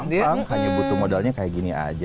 memang hanya butuh modalnya kayak gini aja